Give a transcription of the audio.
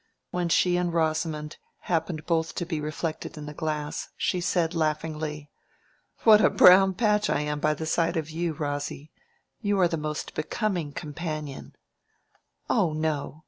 When she and Rosamond happened both to be reflected in the glass, she said, laughingly— "What a brown patch I am by the side of you, Rosy! You are the most unbecoming companion." "Oh no!